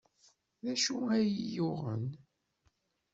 D acu ay iyi-yuɣen?